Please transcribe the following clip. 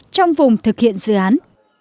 trong vùng thực hiện dự án